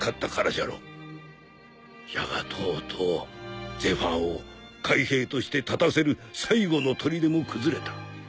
じゃがとうとうゼファーを海兵として立たせる最後のとりでも崩れた。